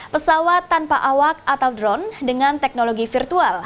pesawat tanpa awak atau drone dengan teknologi virtual